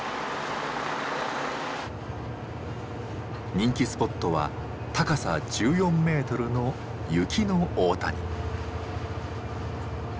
人気スポットは高さ１４メートルの「雪の大谷」。